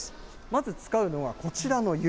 まず使うのは、こちらの弓。